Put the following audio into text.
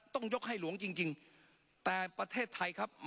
ต้องยกให้หลวงจริงแต่ประเทศไทยครับ